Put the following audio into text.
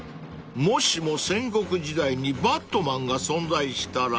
［「もしも戦国時代にバットマンが存在したら」］